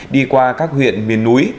đi qua các huyện miền núi